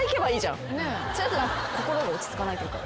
心が落ち着かないというか。